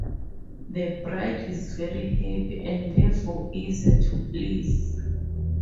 The bride is very happy, and therefore easier to please.